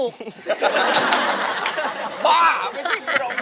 สวัสดีครับ